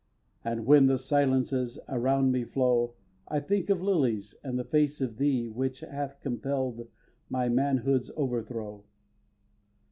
And when the silences around me flow, I think of lilies and the face of thee Which hath compell'd my manhood's overthrow.